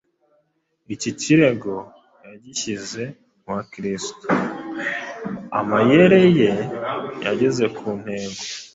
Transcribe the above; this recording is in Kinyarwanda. icyo kirego yagishyize ku Bakristo. Amayere ye yageze ku ntego,